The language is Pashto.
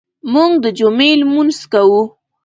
موږ د جمعې لمونځ کوو.